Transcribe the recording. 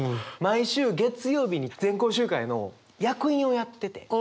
毎週月曜日に全校集会の役員をやってて。